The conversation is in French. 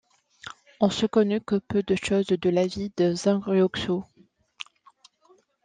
On ne connaît que peu de choses de la vie de Zhang Ruoxu.